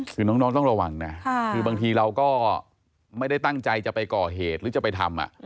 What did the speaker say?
คือน้องต้องระวังนะคือบางทีเราก็ไม่ได้ตั้งใจจะไปก่อเหตุหรือจะไปทำ